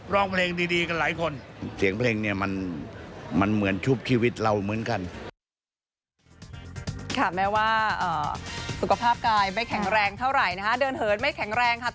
ร้องเพลงดีกันหลายคน